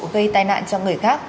gây tai nạn cho người khác